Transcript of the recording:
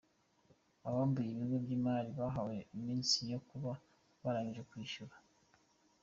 Abambuye ibigo by’imari bahawe iminsi yo kuba barangije kwishyura